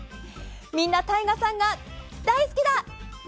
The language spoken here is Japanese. みんな、ＴＡＩＧＡさんが大好きだ！